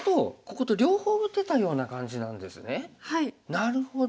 なるほど。